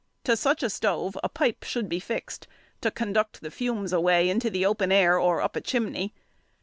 To such a stove a pipe should be fixed to conduct the fumes away into the open air or up a chimney.